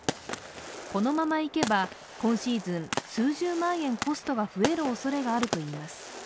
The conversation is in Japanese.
このままいけば今シーズン、数十万円コストが増えるおそれがあるといいます。